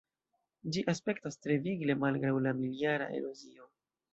Ĝi aspektas tre vigle malgraŭ la mil-jara erozio.